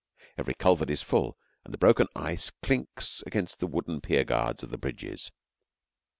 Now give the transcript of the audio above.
Every culvert is full, and the broken ice clicks against the wooden pier guards of the bridges.